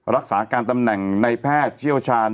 รักษาการตำแหน่งในแพทย์เชี่ยวชาญ